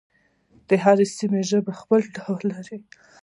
د هرې سیمې ژبه خپل ډول لري.